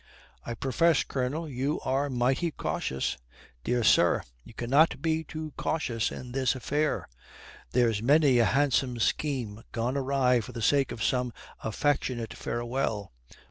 "I profess, Colonel, you are mighty cautious." "Dear sir, we cannot be too cautious in this affair. There's many a handsome scheme gone awry for the sake of some affectionate farewell.